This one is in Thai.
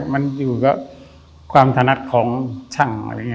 มันอยู่กับความถนัดของช่างอะไรอย่างนี้